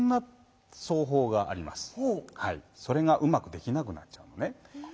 それがうまくできなくなっちゃうのね。